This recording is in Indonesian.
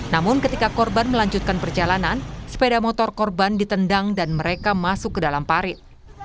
namun ketika korban melanjutkan perjalanan sepeda motor korban ditendang dan mereka masuk ke dalam parit